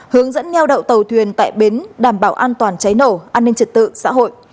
hướng dẫn neo đậu tàu thuyền tại bến đảm bảo an toàn cháy nổ an ninh trật tự xã hội